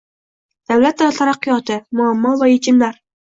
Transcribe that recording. Davlat tili taraqqiyoti: muammo va yechimlarng